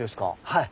はい。